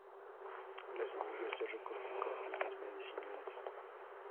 Las semillas se recogen con fines medicinales.